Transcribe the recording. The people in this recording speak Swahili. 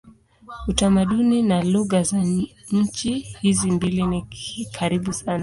Utamaduni na lugha za nchi hizi mbili ni karibu sana.